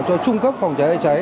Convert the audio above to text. cho trung cấp phòng cháy chữa cháy